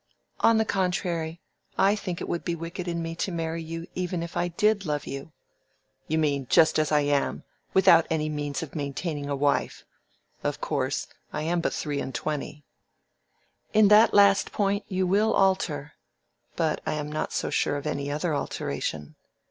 "On the contrary, I think it would be wicked in me to marry you even if I did love you." "You mean, just as I am, without any means of maintaining a wife. Of course: I am but three and twenty." "In that last point you will alter. But I am not so sure of any other alteration.